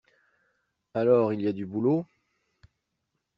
Alors, il y a du boulot!